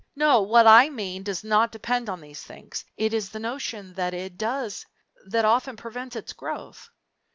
No, what I mean does not depend upon these things. It is the notion that it does that often prevents its growth.